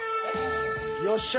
よっしゃ。